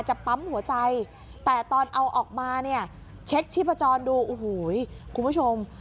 ปั๊มหัวใจแต่ตอนเอาออกมาเนี่ยเช็คชีพจรดูโอ้โหคุณผู้ชม